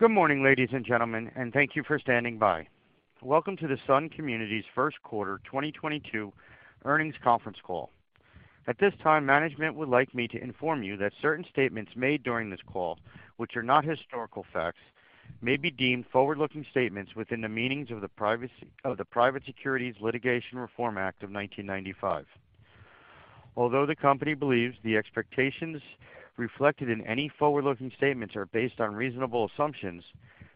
Good morning, ladies and gentlemen, and thank you for standing by. Welcome to the Sun Communities First Quarter 2022 Earnings Conference Call. At this time, management would like me to inform you that certain statements made during this call, which are not historical facts, may be deemed forward-looking statements within the meanings of the Private Securities Litigation Reform Act of 1995. Although the company believes the expectations reflected in any forward-looking statements are based on reasonable assumptions,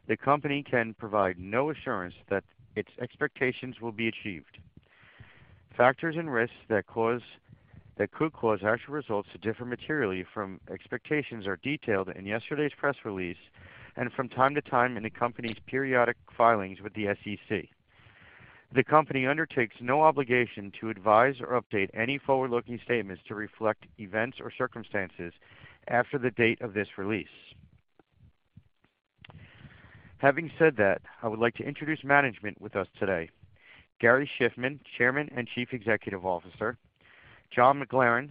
the company can provide no assurance that its expectations will be achieved. Factors and risks that could cause actual results to differ materially from expectations are detailed in yesterday's press release, and from time to time in the company's periodic filings with the SEC. The company undertakes no obligation to advise or update any forward-looking statements to reflect events or circumstances after the date of this release. Having said that, I would like to introduce management with us today. Gary Shiffman, Chairman and Chief Executive Officer, John McLaren,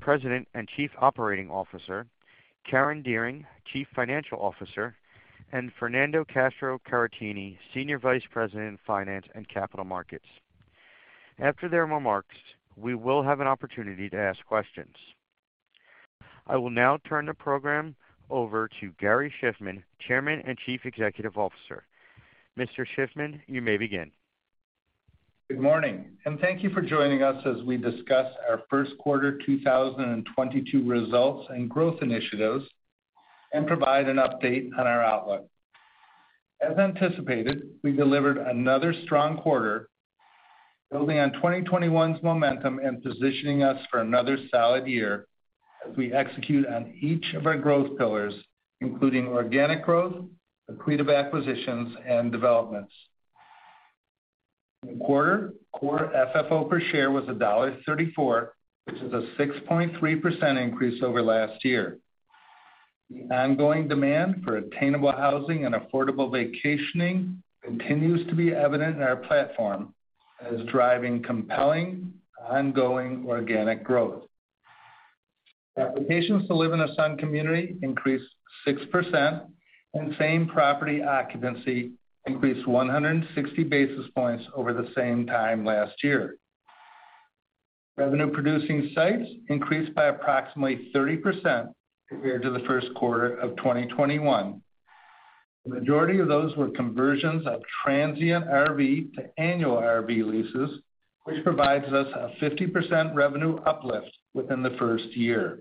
President and Chief Operating Officer, Karen Dearing, Chief Financial Officer, and Fernando Castro-Caratini, Senior Vice President, Finance and Capital Markets. After their remarks, we will have an opportunity to ask questions. I will now turn the program over to Gary Shiffman, Chairman and Chief Executive Officer. Mr. Shiffman, you may begin. Good morning, and thank you for joining us as we discuss our first quarter 2022 results and growth initiatives and provide an update on our outlook. As anticipated, we delivered another strong quarter, building on 2021's momentum and positioning us for another solid year as we execute on each of our growth pillars, including organic growth, accretive acquisitions, and developments. In the quarter, core FFO per share was $1.34, which is a 6.3% increase over last year. The ongoing demand for attainable housing and affordable vacationing continues to be evident in our platform and is driving compelling ongoing organic growth. Applications to live in a Sun community increased 6%, and same-property occupancy increased 160 basis points over the same time last year. Revenue-producing sites increased by approximately 30% compared to the first quarter of 2021. The majority of those were conversions of transient RV to annual RV leases, which provides us a 50% revenue uplift within the first year.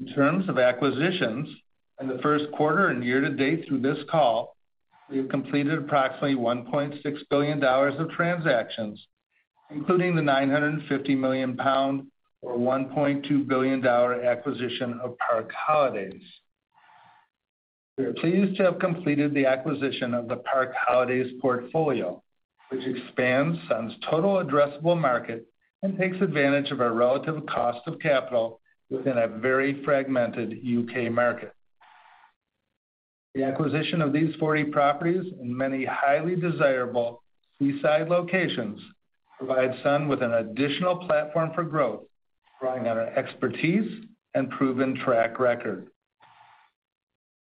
In terms of acquisitions, in the first quarter and year to date through this call, we have completed approximately $1.6 billion of transactions, including the 950 million pound or $1.2 billion acquisition of Park Holidays. We are pleased to have completed the acquisition of the Park Holidays portfolio, which expands Sun's total addressable market and takes advantage of our relative cost of capital within a very fragmented U.K. market. The acquisition of these 40 properties in many highly desirable seaside locations provides Sun with an additional platform for growth, drawing on our expertise and proven track record.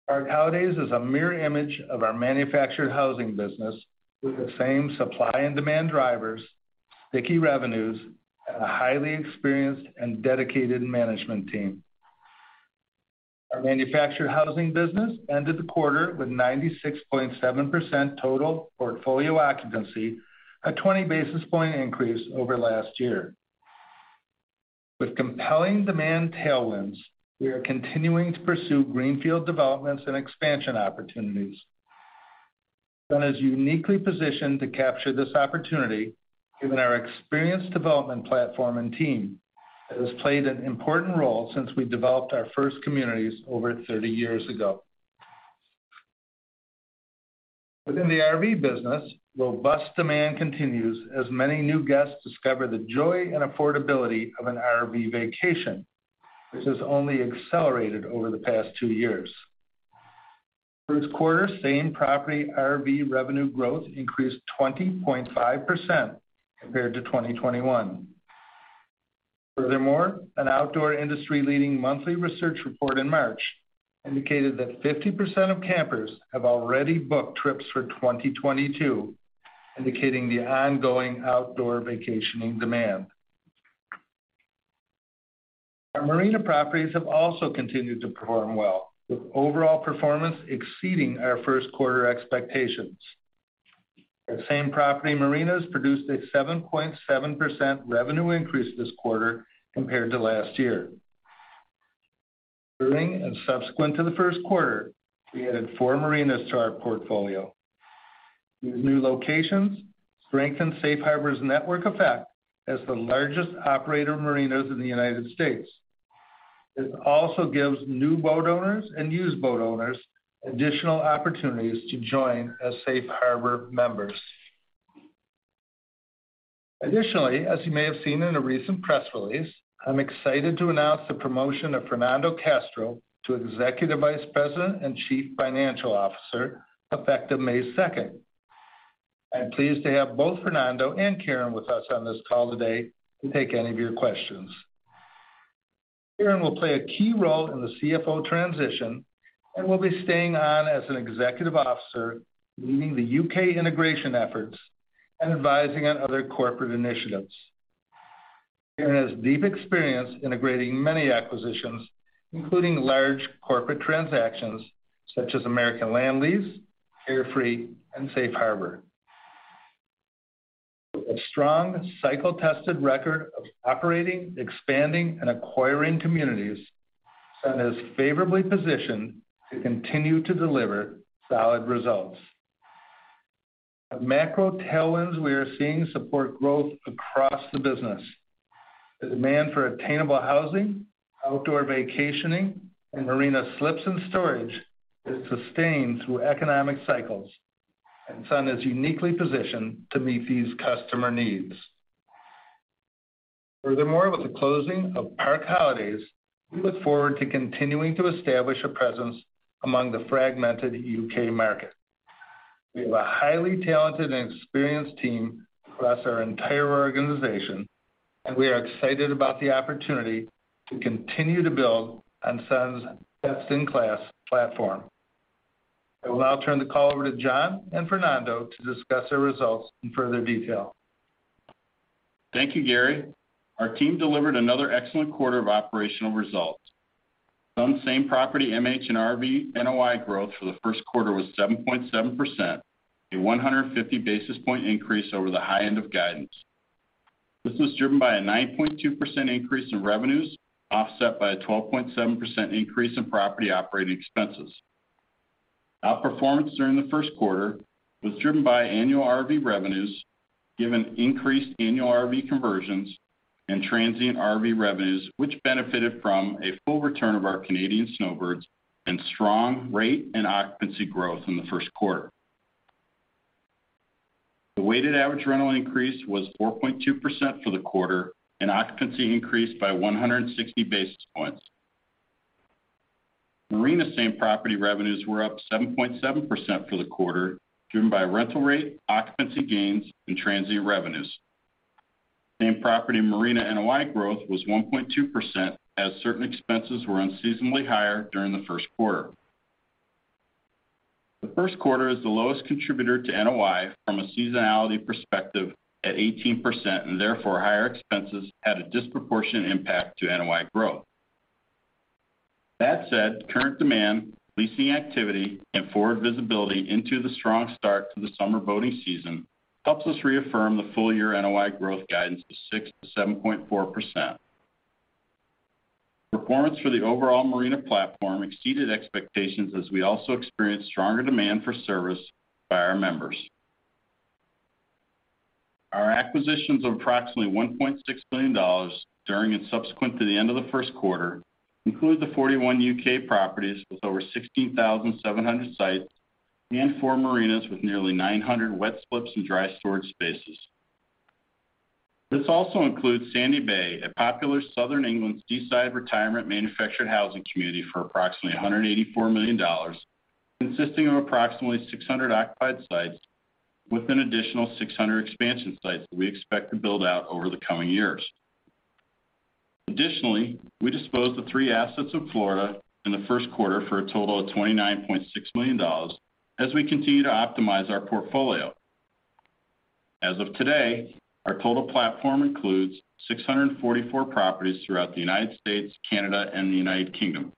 Park Holidays is a mirror image of our manufactured housing business, with the same supply and demand drivers, sticky revenues, and a highly experienced and dedicated management team. Our manufactured housing business ended the quarter with 96.7% total portfolio occupancy, a 20 basis point increase over last year. With compelling demand tailwinds, we are continuing to pursue greenfield developments and expansion opportunities. Sun is uniquely positioned to capture this opportunity given our experienced development platform and team that has played an important role since we developed our first communities over 30 years ago. Within the RV business, robust demand continues as many new guests discover the joy and affordability of an RV vacation, which has only accelerated over the past two years. First quarter same-property RV revenue growth increased 20.5% compared to 2021. Furthermore, an outdoor industry-leading monthly research report in March indicated that 50% of campers have already booked trips for 2022, indicating the ongoing outdoor vacationing demand. Our marina properties have also continued to perform well, with overall performance exceeding our first quarter expectations. The same-property marinas produced a 7.7% revenue increase this quarter compared to last year. During and subsequent to the first quarter, we added 4 marinas to our portfolio. These new locations strengthen Safe Harbor's network effect as the largest operator of marinas in the United States. This also gives new boat owners and used boat owners additional opportunities to join as Safe Harbor members. Additionally, as you may have seen in a recent press release, I'm excited to announce the promotion of Fernando Castro to Executive Vice President and Chief Financial Officer, effective May 2. I'm pleased to have both Fernando and Karen with us on this call today to take any of your questions. Karen will play a key role in the CFO transition and will be staying on as an executive officer, leading the U.K. integration efforts and advising on other corporate initiatives. Karen has deep experience integrating many acquisitions, including large corporate transactions such as American Land Lease, Carefree, and Safe Harbor. A strong cycle-tested record of operating, expanding and acquiring communities, Sun is favorably positioned to continue to deliver solid results. The macro tailwinds we are seeing support growth across the business. The demand for attainable housing, outdoor vacationing, and marina slips and storage is sustained through economic cycles, and Sun is uniquely positioned to meet these customer needs. Furthermore, with the closing of Park Holidays, we look forward to continuing to establish a presence among the fragmented U.K. market. We have a highly talented and experienced team across our entire organization, and we are excited about the opportunity to continue to build on Sun's best-in-class platform. I will now turn the call over to John and Fernando to discuss our results in further detail. Thank you, Gary. Our team delivered another excellent quarter of operational results. Sun same-property MH and RV NOI growth for the first quarter was 7.7%, a 150 basis point increase over the high end of guidance. This was driven by a 9.2% increase in revenues, offset by a 12.7% increase in property operating expenses. Outperformance during the first quarter was driven by annual RV revenues, given increased annual RV conversions and transient RV revenues, which benefited from a full return of our Canadian snowbirds and strong rate and occupancy growth in the first quarter. The weighted average rental increase was 4.2% for the quarter and occupancy increased by 160 basis points. Marina same-property revenues were up 7.7% for the quarter, driven by rental rate, occupancy gains, and transient revenues. Same-property marina NOI growth was 1.2% as certain expenses were unseasonably higher during the first quarter. The first quarter is the lowest contributor to NOI from a seasonality perspective at 18% and therefore higher expenses had a disproportionate impact to NOI growth. That said, current demand, leasing activity, and forward visibility into the strong start to the summer boating season helps us reaffirm the full-year NOI growth guidance of 6%-7.4%. Performance for the overall marina platform exceeded expectations as we also experienced stronger demand for service by our members. Our acquisitions of approximately $1.6 billion during and subsequent to the end of the first quarter include the 41 U.K. properties with over 16,700 sites and four marinas with nearly 900 wet slips and dry storage spaces. This also includes Sandy Bay, a popular Southern England seaside retirement manufactured housing community for approximately $184 million, consisting of approximately 600 occupied sites with an additional 600 expansion sites that we expect to build out over the coming years. Additionally, we disposed of three assets in Florida in the first quarter for a total of $29.6 million as we continue to optimize our portfolio. As of today, our total platform includes 644 properties throughout the United States, Canada, and the United Kingdom.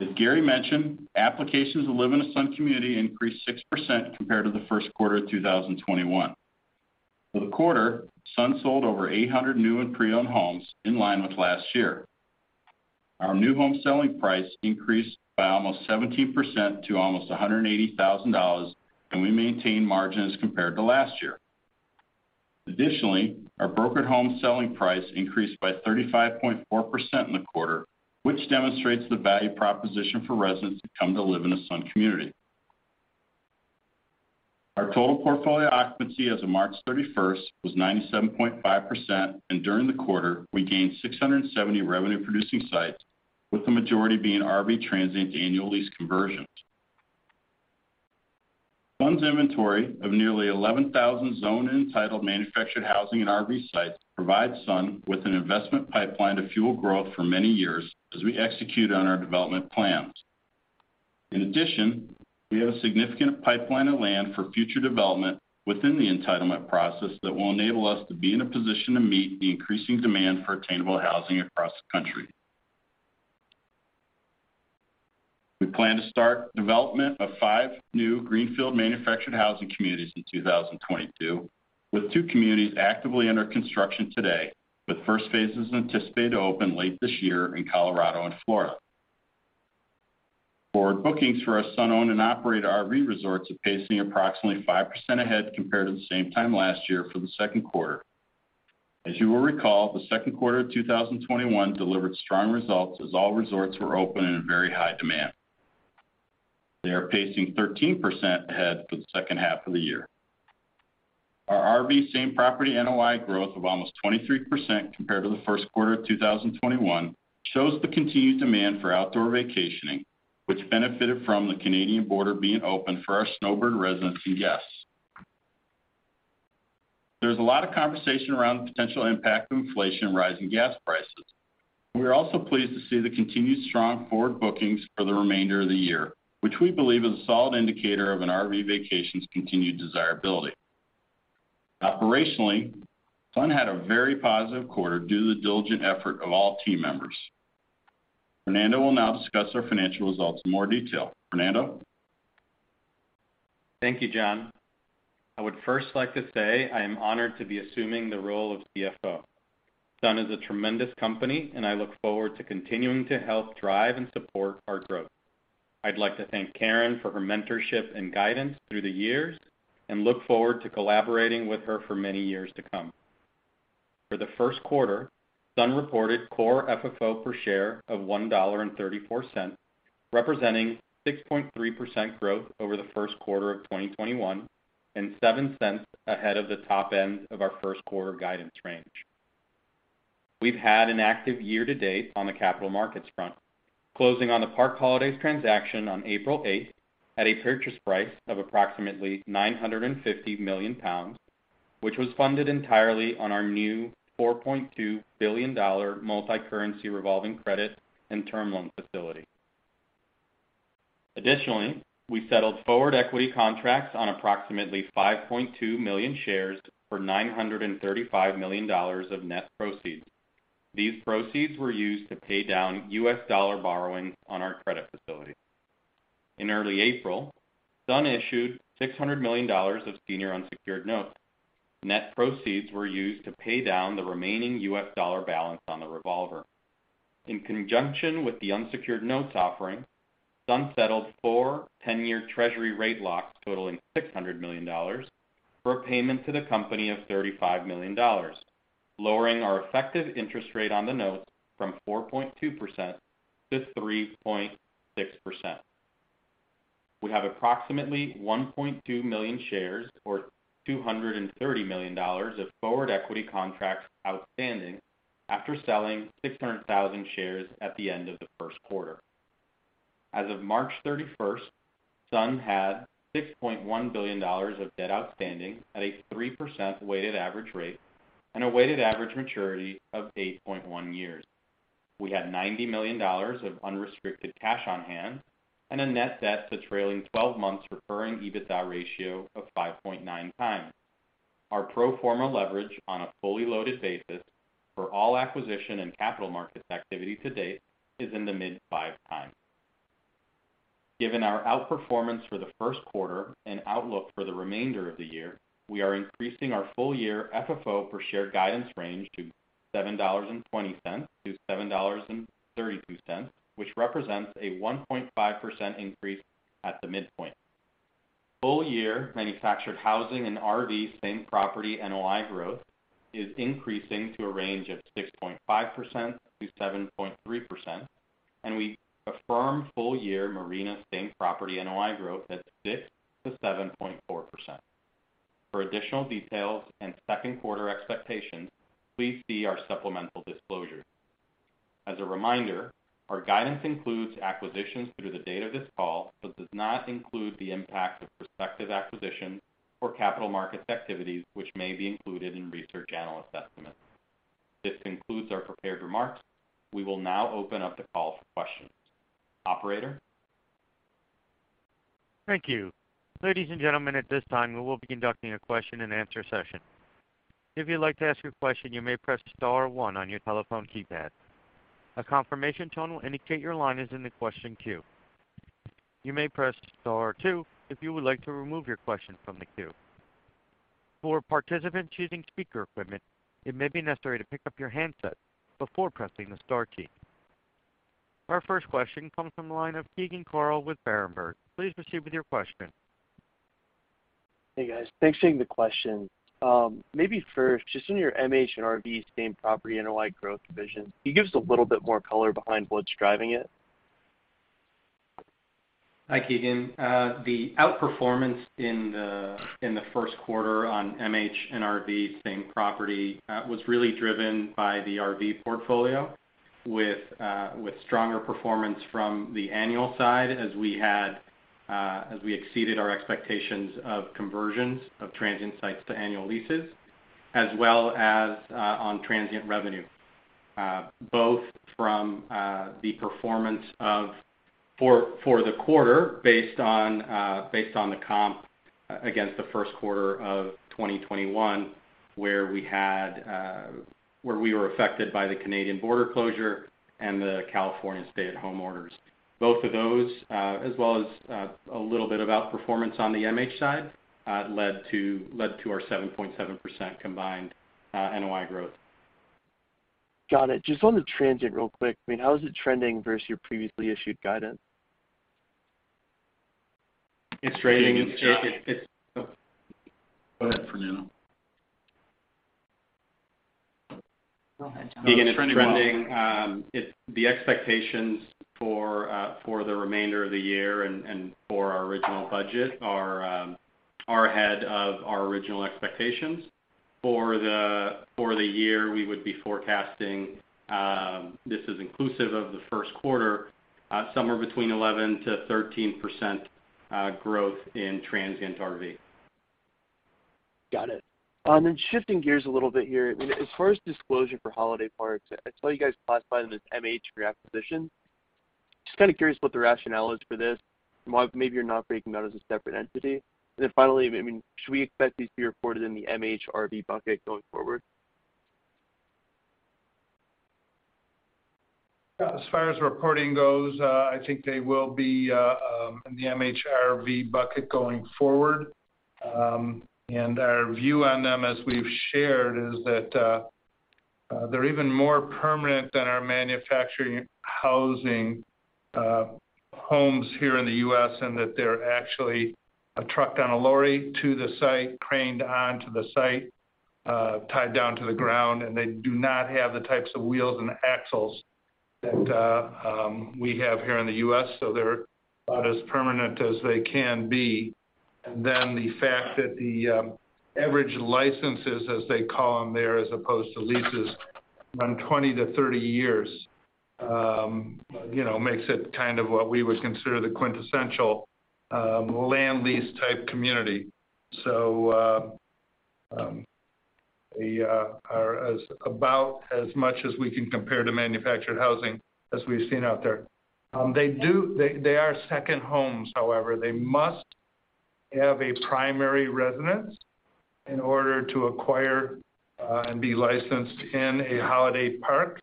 As Gary mentioned, applications to live in a Sun community increased 6% compared to the first quarter of 2021. For the quarter, Sun sold over 800 new and pre-owned homes in line with last year. Our new home selling price increased by almost 17% to almost $180,000, and we maintained margins compared to last year. Additionally, our brokered home selling price increased by 35.4% in the quarter, which demonstrates the value proposition for residents to come to live in a Sun community. Our total portfolio occupancy as of March 31 was 97.5%, and during the quarter, we gained 670 revenue-producing sites, with the majority being RV transient to annual lease conversions. Sun's inventory of nearly 11,000 zoned and entitled manufactured housing and RV sites provides Sun with an investment pipeline to fuel growth for many years as we execute on our development plans. In addition, we have a significant pipeline of land for future development within the entitlement process that will enable us to be in a position to meet the increasing demand for attainable housing across the country. We plan to start development of five new greenfield manufactured housing communities in 2022, with two communities actively under construction today, with first phases anticipated to open late this year in Colorado and Florida. Forward bookings for our Sun-owned and operated RV resorts are pacing approximately 5% ahead compared to the same time last year for the second quarter. As you will recall, the second quarter of 2021 delivered strong results as all resorts were open in a very high demand. They are pacing 13% ahead for the second half of the year. Our RV same-property NOI growth of almost 23% compared to the first quarter of 2021 shows the continued demand for outdoor vacationing, which benefited from the Canadian border being open for our snowbird residents and guests. There's a lot of conversation around the potential impact of inflation and rising gas prices. We are also pleased to see the continued strong forward bookings for the remainder of the year, which we believe is a solid indicator of an RV vacation's continued desirability. Operationally, Sun had a very positive quarter due to the diligent effort of all team members. Fernando will now discuss our financial results in more detail. Fernando? Thank you, John. I would first like to say I am honored to be assuming the role of CFO. Sun is a tremendous company, and I look forward to continuing to help drive and support our growth. I'd like to thank Karen for her mentorship and guidance through the years and look forward to collaborating with her for many years to come. For the first quarter, Sun reported core FFO per share of $1.34, representing 6.3% growth over the first quarter of 2021 and $0.07 ahead of the top end of our first quarter guidance range. We've had an active year-to-date on the capital markets front, closing on the Park Holidays transaction on April 8, at a purchase price of approximately 950 million pounds, which was funded entirely on our new $4.2 billion multi-currency revolving credit and term loan facility. Additionally, we settled forward equity contracts on approximately 5.2 million shares for $935 million of net proceeds. These proceeds were used to pay down U.S. dollar borrowing on our credit facility. In early April, Sun issued $600 million of senior unsecured notes. Net proceeds were used to pay down the remaining U.S. dollar balance on the revolver. In conjunction with the unsecured notes offering, Sun settled four 10-year treasury rate locks totaling $600 million for a payment to the company of $35 million, lowering our effective interest rate on the notes from 4.2%-3.6%. We have approximately 1.2 million shares or $230 million of forward equity contracts outstanding after selling 600,000 shares at the end of the first quarter. As of March 31, Sun had $6.1 billion of debt outstanding at a 3% weighted average rate and a weighted average maturity of 8.1 years. We had $90 million of unrestricted cash on hand and a net debt to trailing twelve months recurring EBITDA ratio of 5.9 times. Our pro forma leverage on a fully loaded basis for all acquisition and capital markets activity to date is in the mid-5x. Given our outperformance for the first quarter and outlook for the remainder of the year, we are increasing our full-year FFO per share guidance range to $7.20-$7.32, which represents a 1.5% increase at the midpoint. Full-year manufactured housing and RV same-property NOI growth is increasing to a range of 6.5%-7.3%, and we affirm full-year marina same-property NOI growth at 6%-7.4%. For additional details and second quarter expectations, please see our supplemental disclosures. As a reminder, our guidance includes acquisitions through the date of this call, but does not include the impact of prospective acquisitions or capital markets activities, which may be included in research analyst estimates. This concludes our prepared remarks. We will now open up the call for questions. Operator? Thank you. Ladies and gentlemen, at this time, we will be conducting a question-and-answer session. If you'd like to ask a question, you may press star one on your telephone keypad. A confirmation tone will indicate your line is in the question queue. You may press star two if you would like to remove your question from the queue. For participants using speaker equipment, it may be necessary to pick up your handset before pressing the star key. Our first question comes from the line of Keegan Carl with Berenberg. Please proceed with your question. Hey, guys. Thanks for taking the question. Maybe first, just in your MH and RV same-property NOI growth revision, can you give us a little bit more color behind what's driving it? Hi, Keegan. The outperformance in the first quarter on MH and RV same-property was really driven by the RV portfolio with stronger performance from the annual side as we exceeded our expectations of conversions of transient sites to annual leases, as well as on transient revenue both from the performance for the quarter based on the comparison against the first quarter of 2021, where we were affected by the Canadian border closure and the California stay-at-home orders. Both of those, as well as a little bit of outperformance on the MH side, led to our 7.7% combined NOI growth. Got it. Just on the transient real quick, I mean, how is it trending versus your previously issued guidance? It's trading. Go ahead, Fernando. Again, it's trending. The expectations for the remainder of the year and for our original budget are ahead of our original expectations. For the year, we would be forecasting, this is inclusive of the first quarter, somewhere between 11%-13% growth in transient RV. Got it. Shifting gears a little bit here. As far as disclosure for Holiday Parks, I saw you guys classify them as MH for your acquisition. Just kinda curious what the rationale is for this and why maybe you're not breaking that as a separate entity. Finally, I mean, should we expect these to be reported in the MH/RV bucket going forward? As far as reporting goes, I think they will be in the MH/RV bucket going forward. Our view on them, as we've shared, is that they're even more permanent than our manufactured housing homes here in the U.S. in that they're actually trucked on a lorry to the site, craned onto the site, tied down to the ground, and they do not have the types of wheels and axles that we have here in the U.S., so they're about as permanent as they can be. The fact that the average licenses, as they call them there, as opposed to leases, run 20-30 years, you know, makes it kind of what we would consider the quintessential land lease type community. They are as comparable to manufactured housing as we've seen out there. They are second homes, however. They must have a primary residence in order to acquire and be licensed in a holiday park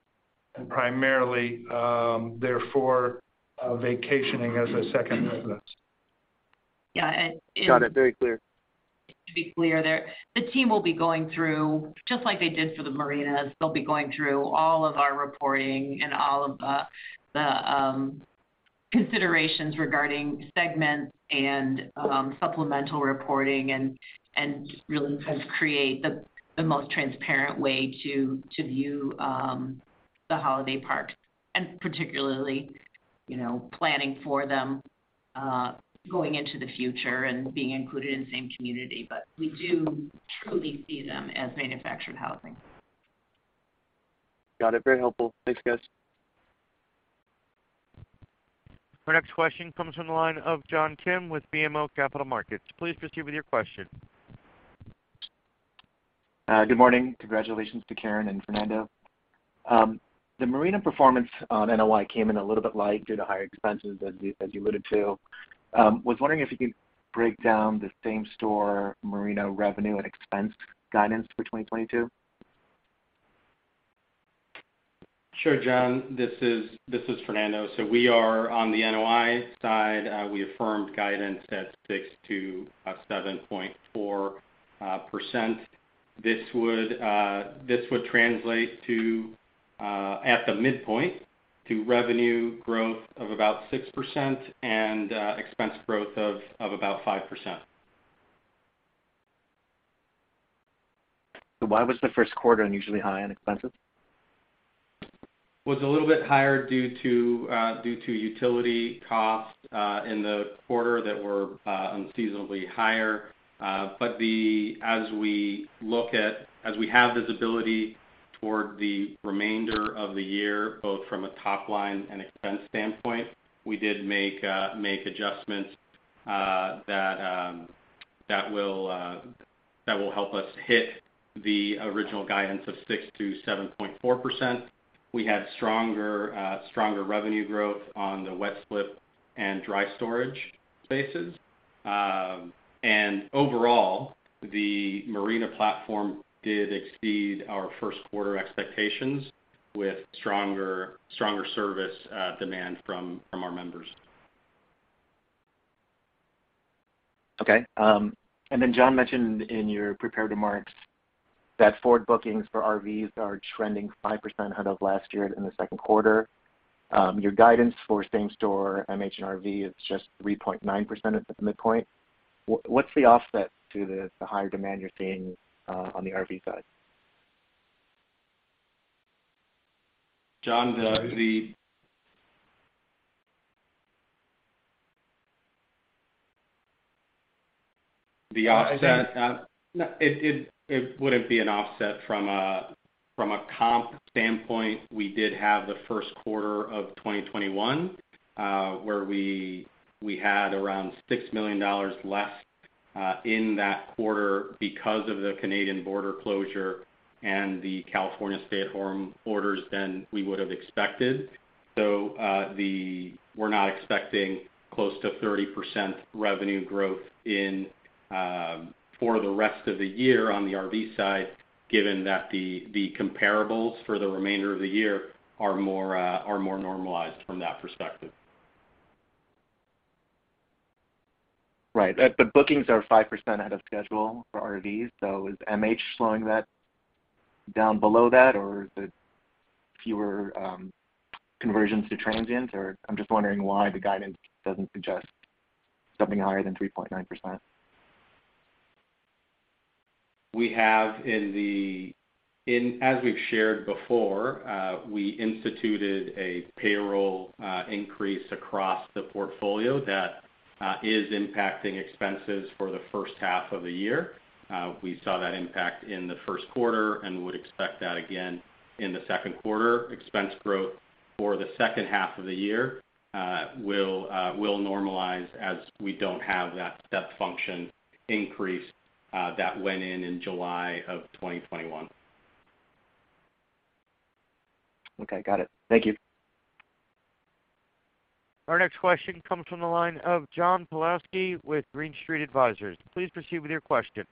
and primarily therefore vacationing as a second residence. Yeah. Got it. Very clear. To be clear there, the team will be going through, just like they did for the marinas, they'll be going through all of our reporting and all of the considerations regarding segments and supplemental reporting and really kind of create the most transparent way to view the Holiday Parks, and particularly, you know, planning for them going into the future and being included in the same community. But we do truly see them as manufactured housing. Got it. Very helpful. Thanks, guys. Our next question comes from the line of John Kim with BMO Capital Markets. Please proceed with your question. Good morning. Congratulations to Karen and Fernando. The marina performance on NOI came in a little bit light due to higher expenses as you alluded to. I was wondering if you could break down the same store marina revenue and expense guidance for 2022. Sure, John. This is Fernando. We are on the NOI side, we affirmed guidance at 6%-7.4%. This would translate to, at the midpoint, revenue growth of about 6% and expense growth of about 5%. Why was the first quarter unusually high on expenses? It was a little bit higher due to utility costs in the quarter that were unseasonably higher. As we have visibility toward the remainder of the year, both from a top line and expense standpoint, we did make adjustments that will help us hit the original guidance of 6%-7.4%. We had stronger revenue growth on the wet slip and dry storage spaces. Overall, the marina platform did exceed our first quarter expectations with stronger service demand from our members. Okay. Then John mentioned in your prepared remarks that forward bookings for RVs are trending 5% ahead of last year in the second quarter. Your guidance for same store MH and RV is just 3.9% at the midpoint. What's the offset to the higher demand you're seeing on the RV side? John, the offset- I think. No. It wouldn't be an offset from a comp standpoint. We did have the first quarter of 2021, where we had around $6 million less in that quarter because of the Canadian border closure and the California stay-at-home orders than we would have expected. We're not expecting close to 30% revenue growth for the rest of the year on the RV side, given that the comparables for the remainder of the year are more normalized from that perspective. Right. Bookings are 5% ahead of schedule for RVs, so is MH slowing that down below that, or is it fewer conversions to transient? I'm just wondering why the guidance doesn't suggest Something higher than 3.9%. As we've shared before, we instituted a payroll increase across the portfolio that is impacting expenses for the first half of the year. We saw that impact in the first quarter and would expect that again in the second quarter. Expense growth for the second half of the year will normalize as we don't have that step function increase that went in in July of 2021. Okay, got it. Thank you. Our next question comes from the line of John Pawlowski with Green Street Advisors. Please proceed with your question.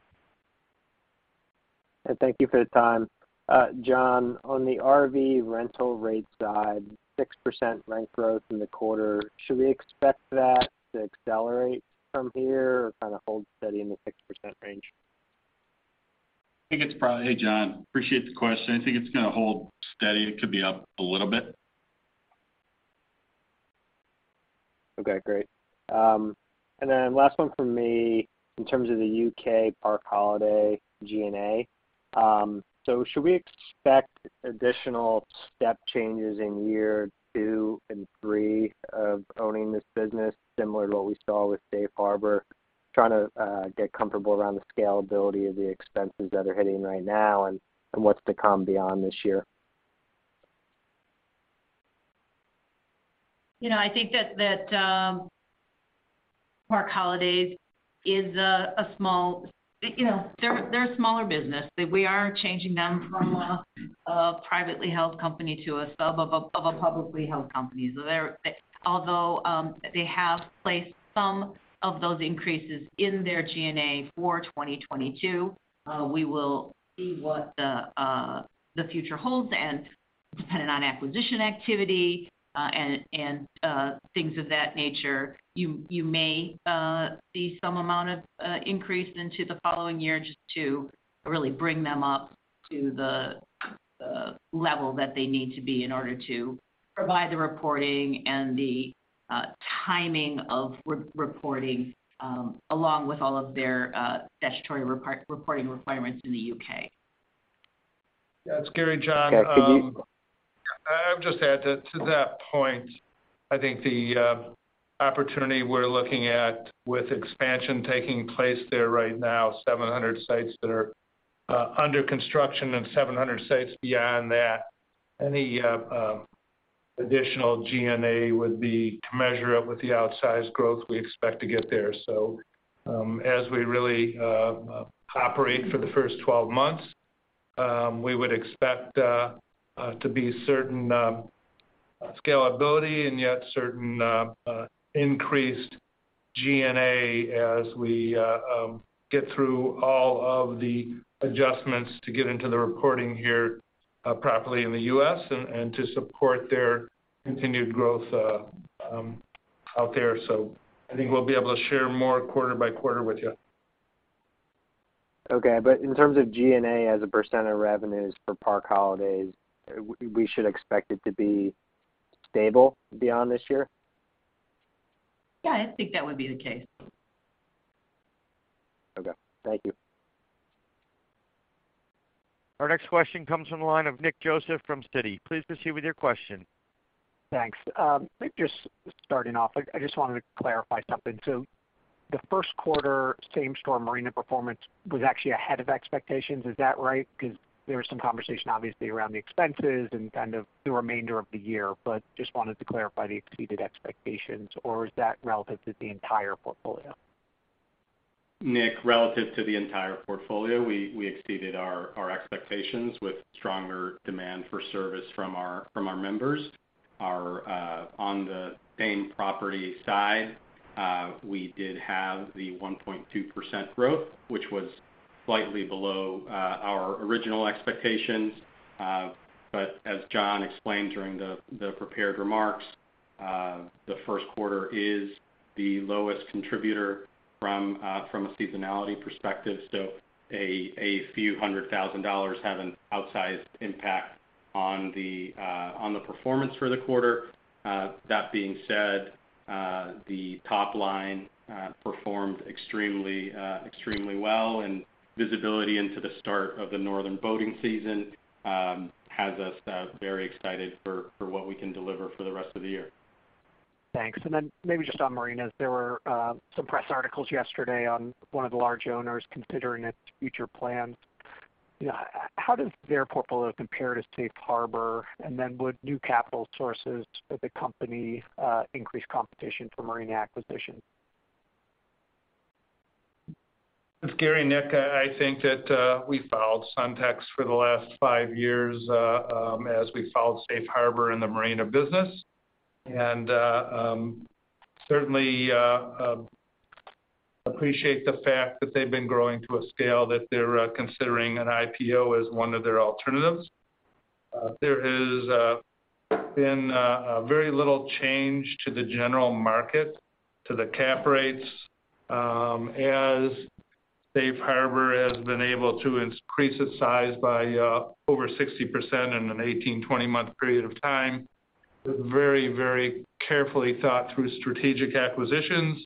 Thank you for the time. John, on the RV rental rates guide, 6% rent growth in the quarter, should we expect that to accelerate from here or kind of hold steady in the 6% range? Hey, John, appreciate the question. I think it's gonna hold steady. It could be up a little bit. Okay, great. Last one from me in terms of the U.K. Park Holidays G&A. Should we expect additional step changes in year two and three of owning this business similar to what we saw with Safe Harbor, trying to get comfortable around the scalability of the expenses that are hitting right now and what's to come beyond this year. You know, I think that Park Holidays is a smaller business. We are changing them from a privately held company to a sub of a publicly held company. Although they have placed some of those increases in their G&A for 2022, we will see what the future holds. Depending on acquisition activity and things of that nature, you may see some amount of increase into the following year just to really bring them up to the level that they need to be in order to provide the reporting and the timing of re-reporting along with all of their statutory reporting requirements in the U.K. Yeah. It's Gary, John. Okay. Could you? I would just add to that point. I think the opportunity we're looking at with expansion taking place there right now, 700 sites that are under construction and 700 sites beyond that, any additional G&A would be to measure up with the outsized growth we expect to get there. As we really operate for the first 12 months, we would expect certain scalability and yet certain increased G&A as we get through all of the adjustments to get into the reporting here properly in the U.S. and to support their continued growth out there. I think we'll be able to share more quarter by quarter with you. Okay. In terms of G&A as a % of revenues for Park Holidays, we should expect it to be stable beyond this year? Yeah, I think that would be the case. Okay. Thank you. Our next question comes from the line of Nick Joseph from Citi. Please proceed with your question. Thanks. Just starting off, like I just wanted to clarify something. The first quarter same-store marina performance was actually ahead of expectations. Is that right? Because there was some conversation obviously around the expenses and kind of the remainder of the year, but just wanted to clarify the exceeded expectations, or is that relative to the entire portfolio? Nick, relative to the entire portfolio, we exceeded our expectations with stronger demand for service from our members. On the same property side, we did have the 1.2% growth, which was slightly below our original expectations. As John explained during the prepared remarks, the first quarter is the lowest contributor from a seasonality perspective. A few $100,000 have an outsized impact on the performance for the quarter. That being said, the top line performed extremely well, and visibility into the start of the northern boating season has us very excited for what we can deliver for the rest of the year. Thanks. Maybe just on marinas. There were some press articles yesterday on one of the large owners considering its future plans. You know, how does their portfolio compare to Safe Harbor? Would new capital sources for the company increase competition for marina acquisition? It's Gary, Nick. I think that we followed Suntex for the last five years as we followed Safe Harbor in the marina business, and certainly appreciate the fact that they've been growing to a scale that they're considering an IPO as one of their alternatives. There has been very little change to the general market, to the cap rates, as Safe Harbor has been able to increase its size by over 60% in an 18-20-month period of time by very carefully thought through strategic acquisitions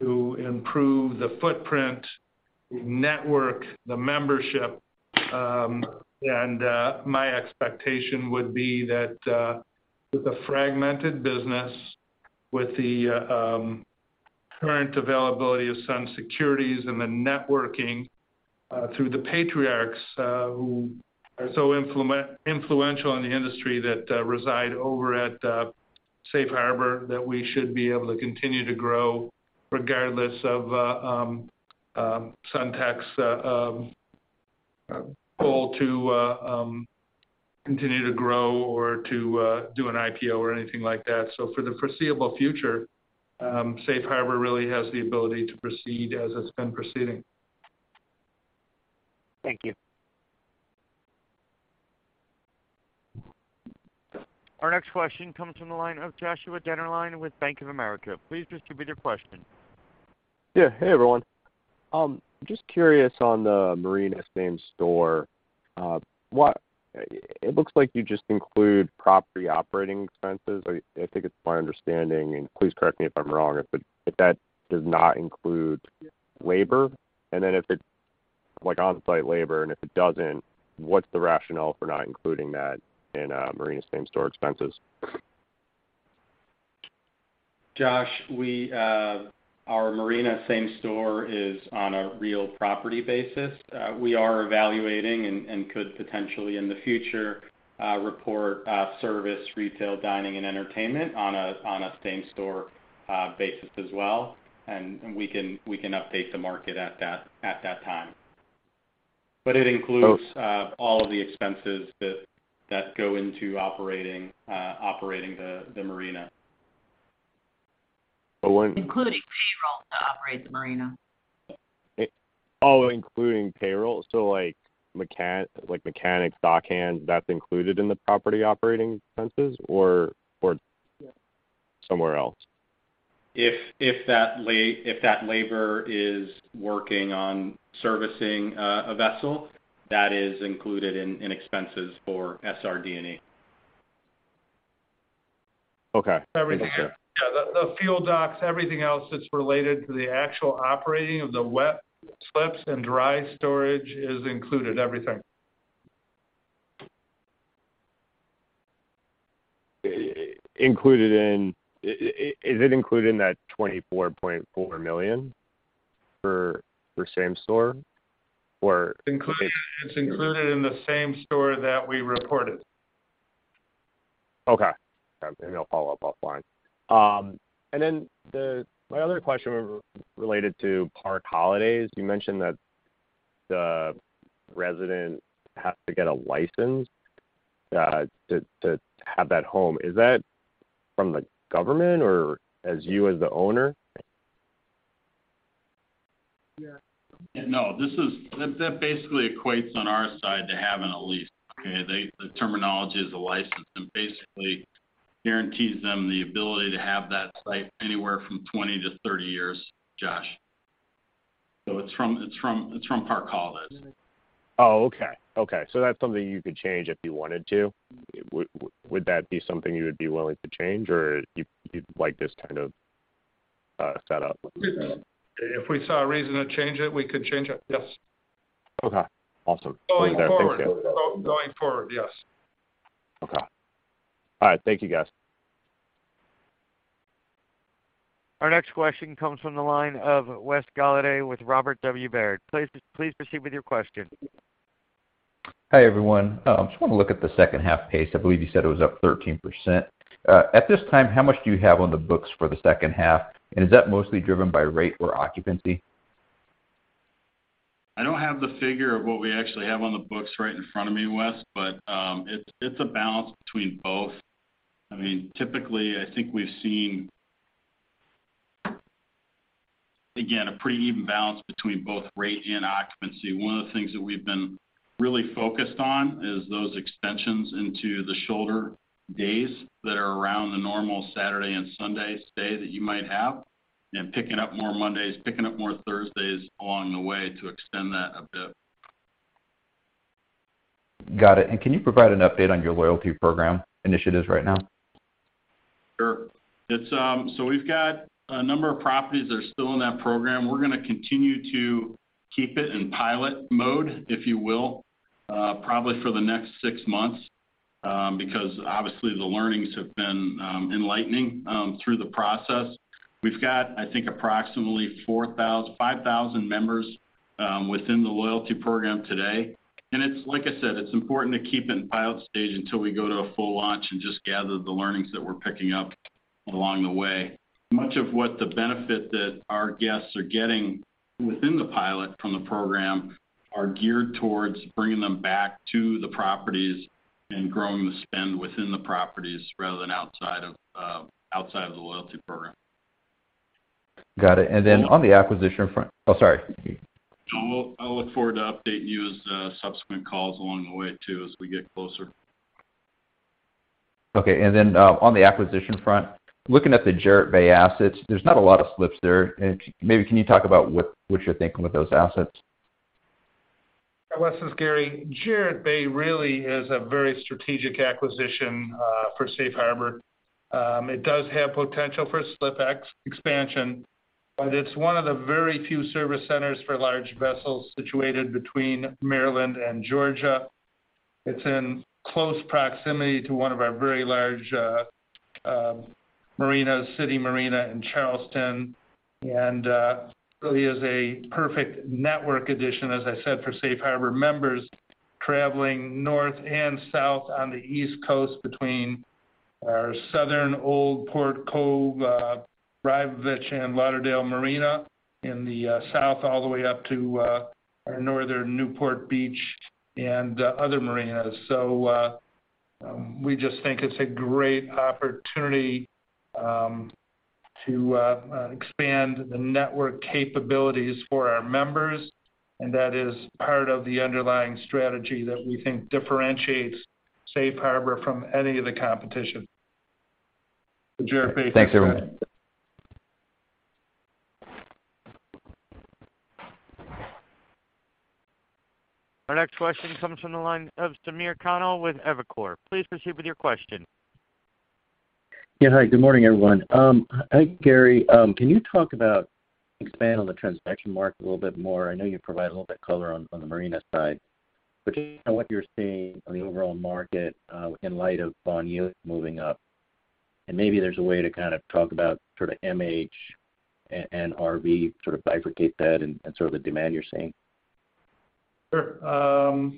to improve the footprint, the network, the membership. My expectation would be that with the fragmented business, with the current availability of Sun Securities and the networking through the patriarchs who are so influential in the industry that reside over at Safe Harbor, that we should be able to continue to grow regardless of Suntex's goal to continue to grow or to do an IPO or anything like that. For the foreseeable future, Safe Harbor really has the ability to proceed as it's been proceeding. Thank you. Our next question comes from the line of Joshua Dennerlein with Bank of America. Please proceed with your question. Yeah. Hey, everyone. Just curious on the marina same store. It looks like you just include property operating expenses. I think it's my understanding, and please correct me if I'm wrong, if that does not include labor. If it's, like, on-site labor, and if it doesn't, what's the rationale for not including that in marina same store expenses? Josh, we, our marina same store is on a real property basis. We are evaluating and could potentially in the future report service, retail, dining, and entertainment on a same store basis as well, and we can update the market at that time. It includes all of the expenses that go into operating the marina. But when- Including payroll to operate the marina. Oh, including payroll. Like mechanics, dockhands, that's included in the property operating expenses or somewhere else? If that labor is working on servicing a vessel, that is included in expenses for SR&DE. Okay. Thank you. Everything. Yeah, the fuel docks, everything else that's related to the actual operating of the wet slips and dry storage is included. Everything. Is it included in that $24.4 million for same store or? Included. It's included in the same store that we reported. Okay. Maybe I'll follow up offline. My other question related to Park Holidays, you mentioned that the resident has to get a license to have that home. Is that from the government or as you as the owner? Yeah. No, this basically equates on our side to having a lease. Okay? The terminology is a license, and basically guarantees them the ability to have that site anywhere from 20-30 years, Josh. It's from Park Holidays. Oh, okay. Okay. That's something you could change if you wanted to. Would that be something you would be willing to change or you'd like this kind of set up? If we saw a reason to change it, we could change it, yes. Okay. Awesome. Appreciate it. Thank you. Going forward, yes. Okay. All right. Thank you guys. Our next question comes from the line of Wes Golladay with Robert W. Baird. Please proceed with your question. Hi, everyone. Just wanna look at the second half pace. I believe you said it was up 13%. At this time, how much do you have on the books for the second half? And is that mostly driven by rate or occupancy? I don't have the figure of what we actually have on the books right in front of me, Wes, but it's a balance between both. I mean, typically, I think we've seen, again, a pretty even balance between both rate and occupancy. One of the things that we've been really focused on is those extensions into the shoulder days that are around the normal Saturday and Sunday stay that you might have, and picking up more Mondays, picking up more Thursdays along the way to extend that a bit. Got it. Can you provide an update on your loyalty program initiatives right now? Sure. It's. We've got a number of properties that are still in that program. We're gonna continue to keep it in pilot mode, if you will, probably for the next six months, because obviously the learnings have been enlightening through the process. We've got, I think approximately 5,000 members within the loyalty program today. It's like I said, it's important to keep it in pilot stage until we go to a full launch and just gather the learnings that we're picking up along the way. Much of what the benefit that our guests are getting within the pilot from the program are geared towards bringing them back to the properties and growing the spend within the properties rather than outside of the loyalty program. Got it. Oh, sorry. No. I'll look forward to update you as subsequent calls along the way too as we get closer. Okay. Then, on the acquisition front, looking at the Jarrett Bay assets, there's not a lot of slips there. Maybe can you talk about what you're thinking with those assets? Wes, this is Gary. Jarrett Bay really is a very strategic acquisition for Safe Harbor. It does have potential for slip expansion, but it's one of the very few service centers for large vessels situated between Maryland and Georgia. It's in close proximity to one of our very large marinas, City Marina in Charleston. Really is a perfect network addition, as I said, for Safe Harbor members traveling north and south on the East Coast between our southern Old Port Cove, Rybovich and Lauderdale Marina in the south, all the way up to our northern Newport Beach and other marinas. We just think it's a great opportunity to expand the network capabilities for our members, and that is part of the underlying strategy that we think differentiates Safe Harbor from any of the competition for Jarrett Bay Thanks, everyone. Our next question comes from the line of Samir Khanal with Evercore. Please proceed with your question. Yeah, hi, good morning, everyone. Hi, Gary. Can you expand on the transaction market a little bit more? I know you provide a little bit color on the marina side, but just what you're seeing on the overall market, in light of bond yields moving up. Maybe there's a way to kind of talk about sort of MH and RV, sort of bifurcate that and sort of the demand you're seeing. Sure.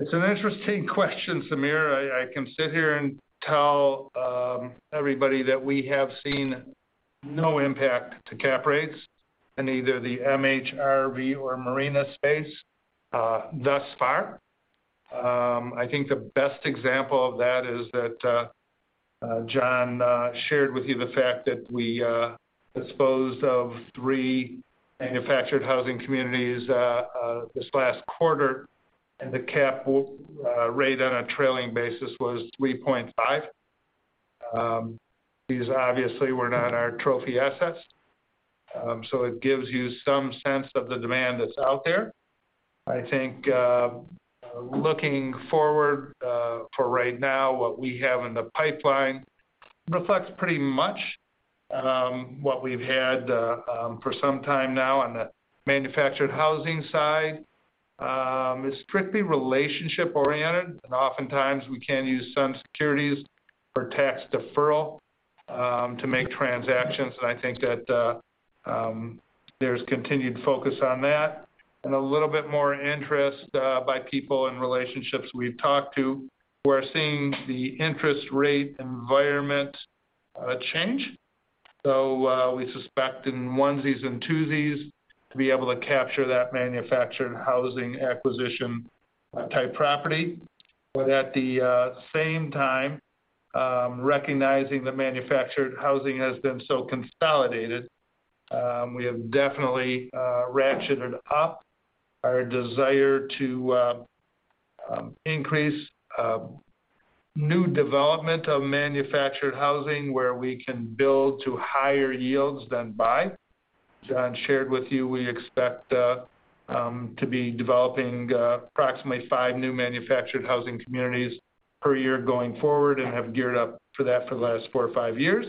It's an interesting question, Samir. I can sit here and tell everybody that we have seen no impact to cap rates in either the MH/RV or marina space, thus far. I think the best example of that is that John shared with you the fact that we disposed of three manufactured housing communities this last quarter, and the cap rate on a trailing basis was 3.5%. These obviously were not our trophy assets, so it gives you some sense of the demand that's out there. I think looking forward, for right now, what we have in the pipeline reflects pretty much what we've had for some time now on the manufactured housing side. It's strictly relationship-oriented, and oftentimes we can use some securities for tax deferral to make transactions. I think that there's continued focus on that and a little bit more interest by people in relationships we've talked to. We're seeing the interest rate environment change. We suspect in onesies and twosies to be able to capture that manufactured housing acquisition type property. But at the same time, recognizing the manufactured housing has been so consolidated, we have definitely ratcheted up our desire to increase new development of manufactured housing where we can build to higher yields than buy. John shared with you, we expect to be developing approximately five new manufactured housing communities per year going forward and have geared up for that for the last four or five years.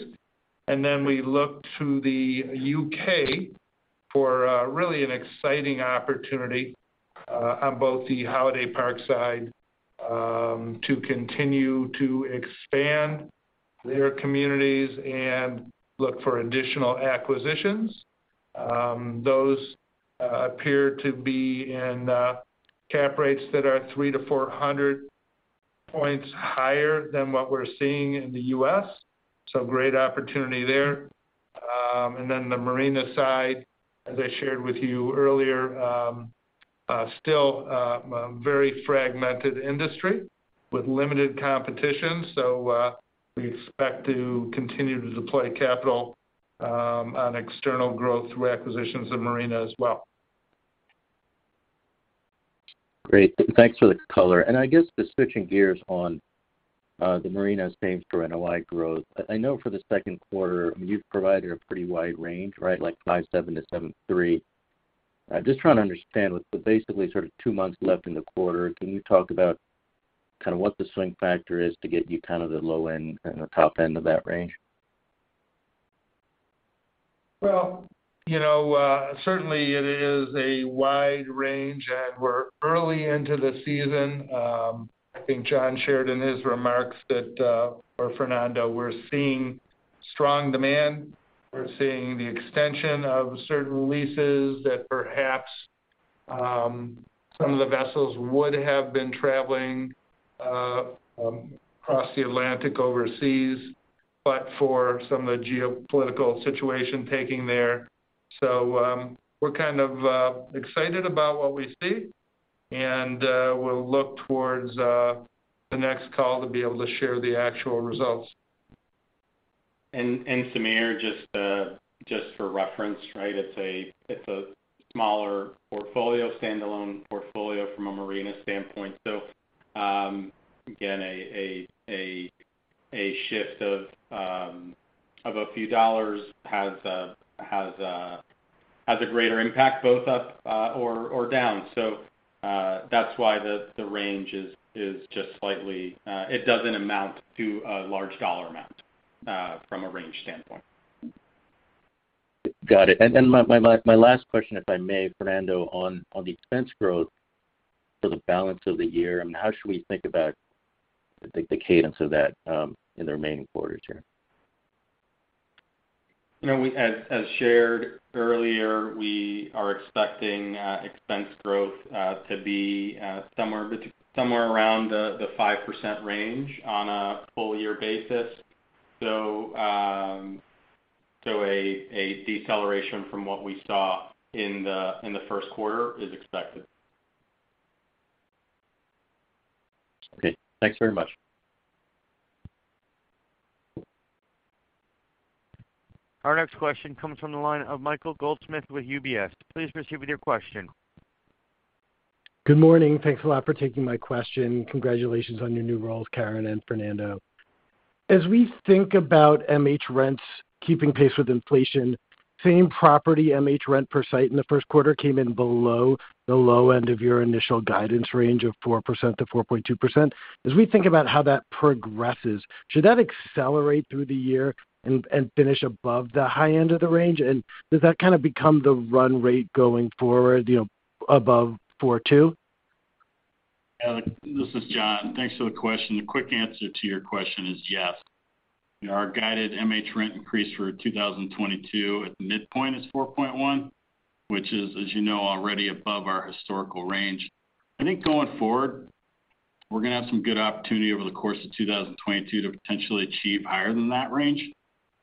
We look to the U.K. for really an exciting opportunity on both the holiday park side to continue to expand their communities and look for additional acquisitions. Those appear to be in cap rates that are 300-400 points higher than what we're seeing in the U.S. Great opportunity there. The marina side, as I shared with you earlier, still a very fragmented industry with limited competition. We expect to continue to deploy capital on external growth through acquisitions of marinas as well. Great. Thanks for the color. I guess just switching gears on the marinas planning for NOI growth. I know for the second quarter, I mean, you've provided a pretty wide range, right? Like 5.7%-7.3%. I'm just trying to understand with basically sort of two months left in the quarter, can you talk about kind of what the swing factor is to get you kind of the low end and the top end of that range? Well, you know, certainly it is a wide range, and we're early into the season. I think John shared in his remarks that, or Fernando, we're seeing strong demand. We're seeing the extension of certain leases that perhaps some of the vessels would have been traveling across the Atlantic overseas, but for some of the geopolitical situation taking place there. We're kind of excited about what we see, and we'll look towards the next call to be able to share the actual results. Samir, just for reference, right? It's a smaller portfolio, standalone portfolio from a marina standpoint. Again, a shift of a few dollars has a greater impact both up or down. That's why the range is just slightly. It doesn't amount to a large dollar amount from a range standpoint. Got it. My last question, if I may, Fernando, on the expense growth for the balance of the year, I mean, how should we think about the cadence of that in the remaining quarters here? You know, as shared earlier, we are expecting expense growth to be somewhere around the 5% range on a full year basis. A deceleration from what we saw in the first quarter is expected. Okay, thanks very much. Our next question comes from the line of Michael Goldsmith with UBS. Please proceed with your question. Good morning. Thanks a lot for taking my question. Congratulations on your new roles, Karen and Fernando. As we think about MH rents keeping pace with inflation, same property MH rent per site in the first quarter came in below the low end of your initial guidance range of 4%-4.2%. As we think about how that progresses, should that accelerate through the year and finish above the high end of the range? Does that kind of become the run rate going forward, you know, above 4.2%? Yeah, this is John. Thanks for the question. The quick answer to your question is yes. Our guided MH rent increase for 2022 at the midpoint is 4.1%, which is, as you know, already above our historical range. I think going forward, we're gonna have some good opportunity over the course of 2022 to potentially achieve higher than that range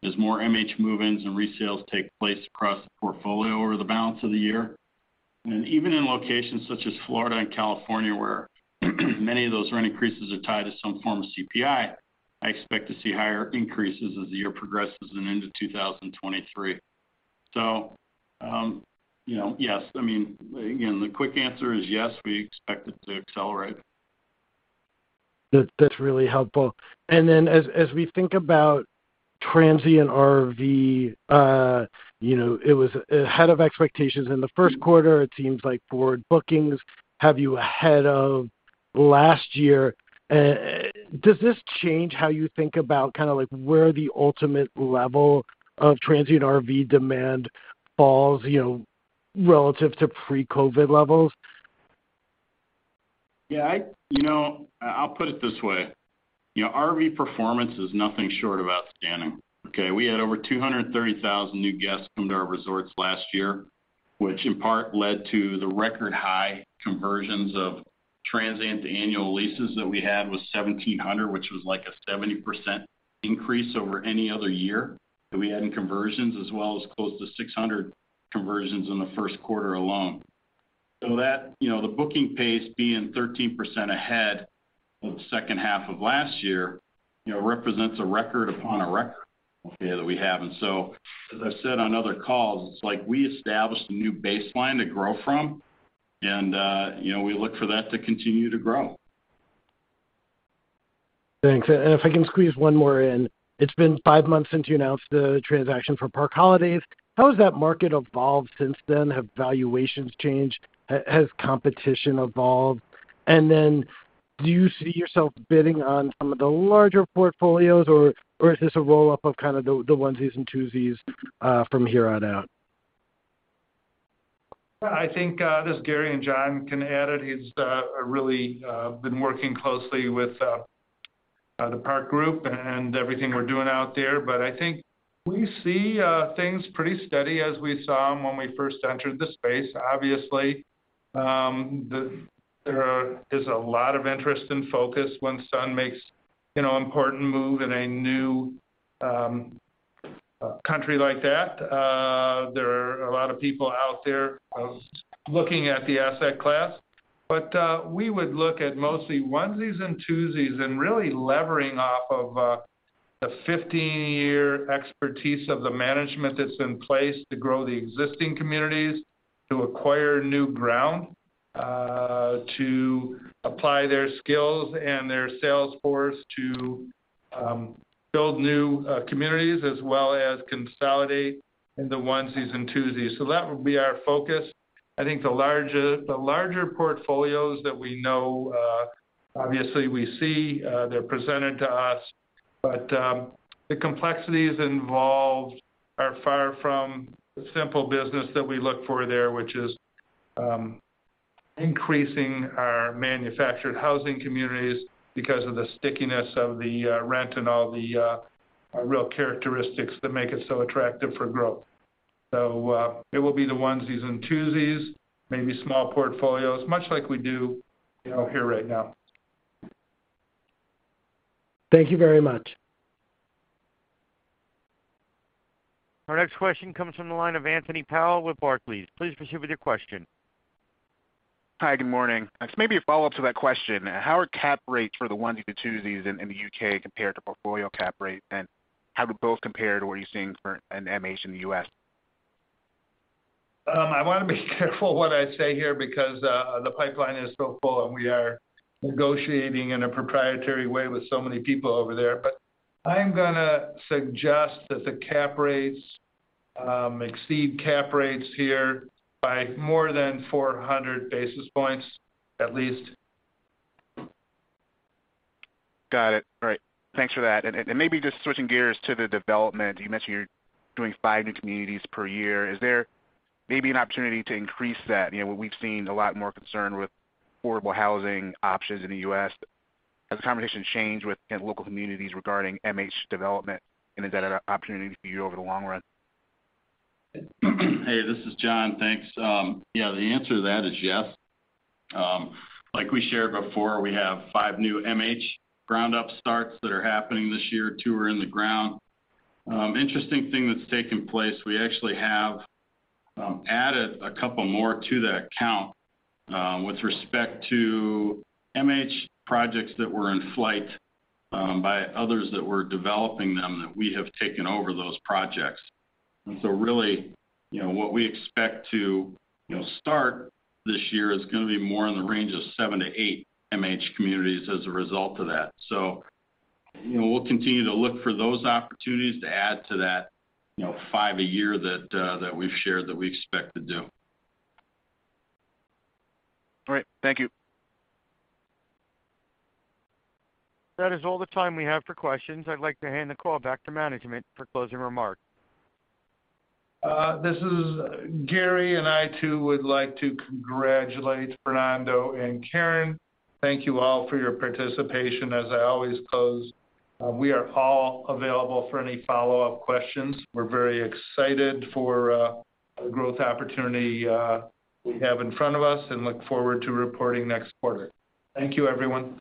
as more MH move-ins and resales take place across the portfolio over the balance of the year. Even in locations such as Florida and California, where many of those rent increases are tied to some form of CPI, I expect to see higher increases as the year progresses and into 2023. You know, yes. I mean, again, the quick answer is yes, we expect it to accelerate. That's really helpful. Then as we think about transient RV, you know, it was ahead of expectations in the first quarter. It seems like forward bookings have you ahead of last year. Does this change how you think about kind of like where the ultimate level of transient RV demand falls, you know, relative to pre-COVID levels? Yeah, you know, I'll put it this way. You know, RV performance is nothing short of outstanding, okay? We had over 230,000 new guests come to our resorts last year, which in part led to the record high conversions of transient to annual leases that we had, was 1,700, which was like a 70% increase over any other year that we had in conversions, as well as close to 600 conversions in the first quarter alone. So that, you know, the booking pace being 13% ahead of the second half of last year, you know, represents a record upon a record, okay, that we have. As I've said on other calls, it's like we established a new baseline to grow from, and, you know, we look for that to continue to grow. Thanks. If I can squeeze one more in. It's been five months since you announced the transaction for Park Holidays. How has that market evolved since then? Have valuations changed? Has competition evolved? And then do you see yourself bidding on some of the larger portfolios, or is this a roll-up of kind of the onesies and twosies from here on out? I think this is Gary, and John can add it. He's really been working closely with the park group and everything we're doing out there. I think we see things pretty steady as we saw them when we first entered the space. Obviously, there is a lot of interest and focus when Sun makes, you know, an important move in a new country like that. There are a lot of people out there looking at the asset class. We would look at mostly onesies and twosies and really leveraging off of the 15-year expertise of the management that's in place to grow the existing communities, to acquire new ground, to apply their skills and their sales force to build new communities as well as consolidate in the onesies and twosies. That would be our focus. I think the larger portfolios that we know, obviously we see, they're presented to us, but the complexities involved are far from the simple business that we look for there, which is increasing our manufactured housing communities because of the stickiness of the rent and all the real characteristics that make it so attractive for growth. It will be the onesies and twosies, maybe small portfolios, much like we do, you know, here right now. Thank you very much. Our next question comes from the line of Anthony Powell with Barclays. Please proceed with your question. Hi, good morning. It's maybe a follow-up to that question. How are cap rates for the onesies and twosies in the U.K. compare to portfolio cap rate? How do both compare to what you're seeing for an MH in the U.S.? I wanna be careful what I say here because the pipeline is so full, and we are negotiating in a proprietary way with so many people over there. I'm gonna suggest that the cap rates exceed cap rates here by more than 400 basis points at least. Got it. All right. Thanks for that. Maybe just switching gears to the development. You mentioned you're doing five new communities per year. Is there maybe an opportunity to increase that? You know, we've seen a lot more concern with affordable housing options in the U.S. Has the conversation changed with, you know, local communities regarding MH development? Is that an opportunity for you over the long run? Hey, this is John. Thanks. Yeah, the answer to that is yes. Like we shared before, we have five new MH ground-up starts that are happening this year. Two are in the ground. Interesting thing that's taken place, we actually have added a couple more to that count with respect to MH projects that were in flight by others that were developing them that we have taken over those projects. Really, you know, what we expect to, you know, start this year is gonna be more in the range of 7-8 MH communities as a result of that. You know, we'll continue to look for those opportunities to add to that, you know, five a year that we've shared that we expect to do. All right, thank you. That is all the time we have for questions. I'd like to hand the call back to management for closing remarks. This is Gary, and I too would like to congratulate Fernando and Karen. Thank you all for your participation. As I always close, we are all available for any follow-up questions. We're very excited for the growth opportunity we have in front of us and look forward to reporting next quarter. Thank you, everyone.